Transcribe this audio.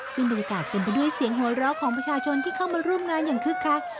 ซึ่งบรรยากาศเต็มไปด้วยเสียงหัวเราะของประชาชนที่เข้ามาร่วมงานอย่างคึกคัก